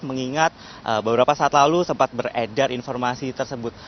mengingat beberapa saat lalu sempat beredar informasi tersebut